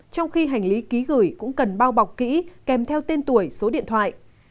trong khi hành lý ký gửi cũng cần bao bọc kỹ kèm theo tên tuổi số điện thoại